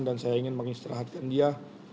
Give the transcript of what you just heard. dan saya ingin mengistirahatkan dia